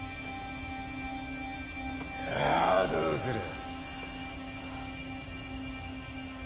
さあどうする？